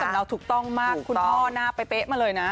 สำนักถูกต้องมากครูพ่อใช่มั้ยมาเลยนะ